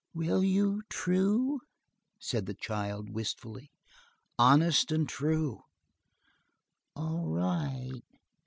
"Will you, true?" said the child, wistfully. "Honest and true." "All right."